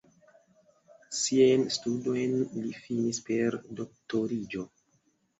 Siajn studojn li finis per doktoriĝo.